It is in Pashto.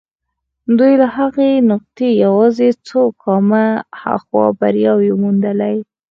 دوی له هغې نقطې يوازې څو ګامه هاخوا برياوې موندلې.